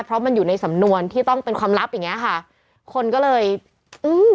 เพราะมันอยู่ในสำนวนที่ต้องเป็นความลับอย่างเงี้ยค่ะคนก็เลยอืม